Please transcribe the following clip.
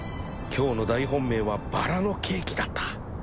今日の大本命はバラのケーキだった